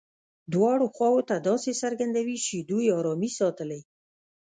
دواړو خواوو ته داسې څرګندوي چې دوی ارامي ساتلې.